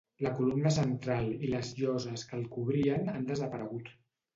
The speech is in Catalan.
La columna central i les lloses que el cobrien han desaparegut.